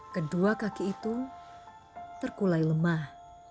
kedua kaki itu terkulai lemah